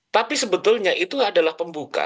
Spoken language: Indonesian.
tapi sebetulnya itu adalah pembuka